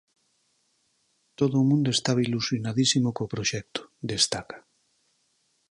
"Todo o mundo estaba ilusionadísimo co proxecto", destaca.